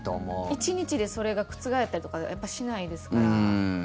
１日でそれが覆ったりとかってしないですから。